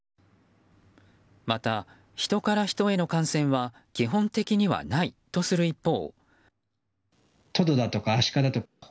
またヒトからヒトへの感染は基本的にはないとする一方。